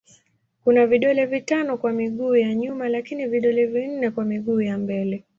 Kuna vidole vitano kwa miguu ya nyuma lakini vidole vinne kwa miguu ya mbele.